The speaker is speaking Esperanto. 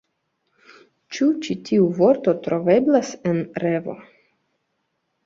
Ĉu ĉi tiu vorto troveblas en ReVo?